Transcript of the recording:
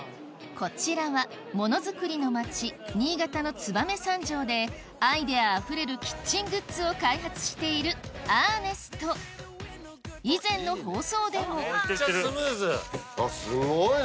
こちらはものづくりのまち新潟の燕三条でアイデアあふれるキッチングッズを開発している以前の放送でもめっちゃスムーズ。